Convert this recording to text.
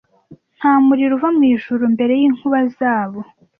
Nta muriro uva mwijuru mbere yinkuba zabo,